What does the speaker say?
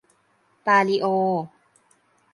ปาลิโอ